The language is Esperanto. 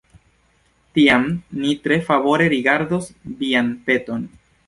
Tiam ni tre favore rigardos vian peton.